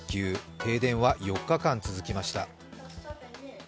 停電は４日間続きました。